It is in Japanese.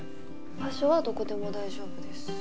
場所はどこでも大丈夫です。